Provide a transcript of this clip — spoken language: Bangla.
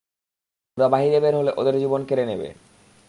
ওরা বাহিরে বের হলে ঝড় ওদের জীবন কেড়ে নেবে!